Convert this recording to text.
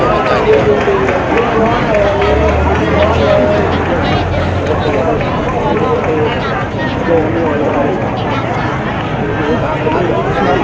มุมการก็แจ้งแล้วเข้ากลับมานะครับ